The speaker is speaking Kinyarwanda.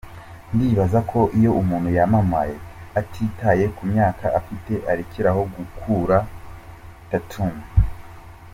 Ndibaza ko iyo umuntu yamamaye atitaye ku myaka afite arekeraho gukura” , Tatum.